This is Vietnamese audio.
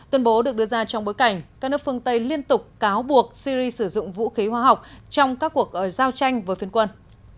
tuyên bố được đưa ra trong bối cảnh các nước phương tây liên tục cáo buộc syri sử dụng vũ khí hóa học trong các cuộc giao tranh với phiên quân